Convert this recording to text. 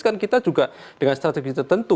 kan kita juga dengan strategi tertentu